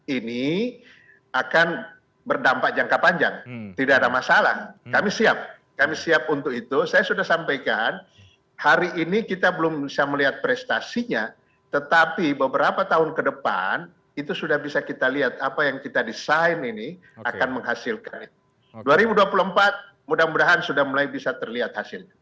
ini akan berdampak jangka panjang tidak ada masalah kami siap kami siap untuk itu saya sudah sampaikan hari ini kita belum bisa melihat prestasinya tetapi beberapa tahun ke depan itu sudah bisa kita lihat apa yang kita desain ini akan menghasilkan dua ribu dua puluh empat mudah mudahan sudah mulai bisa terlihat hasilnya